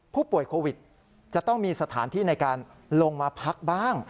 ผู้ป่วยโควิดจะต้องมีสถานที่ในการลงมาพักบ้าง